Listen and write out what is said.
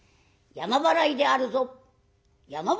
山払いであるぞ」。